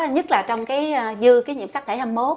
nhất là trong cái dư nhiễm sắc thể hai mươi một